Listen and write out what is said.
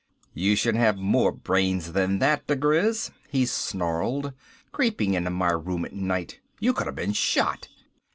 "You should have more brains than that, diGriz," he snarled. "Creeping into my room at night! You could have been shot."